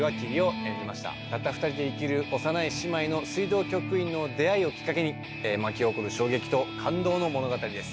たった２人で生きる幼い姉妹と水道局員の出会いをきっかけに巻き起こる衝撃と感動の物語です。